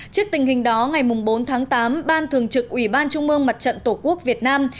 trước tình hình đó ngày bốn tháng tám ban thường trực ủy ban trung mương mặt trận tổ quốc việt nam